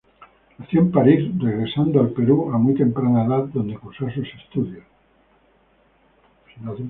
Nació en París, regresando al Perú a muy temprana edad, donde cursó sus estudios.